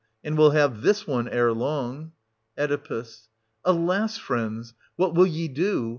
And will have this one ere long. Oe. Alas ! friends, what will ye do